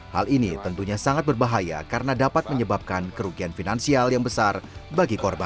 hal ini tentunya sangat berbahaya karena dapat menyebabkan kerugian finansial yang besar bagi korban